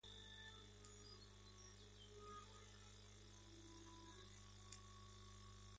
Ha jugado en los torneos de Brisbane y el Abierto de Australia, entre otros.